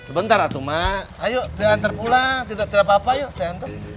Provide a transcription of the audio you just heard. sebentar atuh ma ayo diantar pulang tidak ada apa apa yuk saya antar